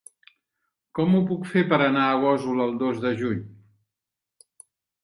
Com ho puc fer per anar a Gósol el dos de juny?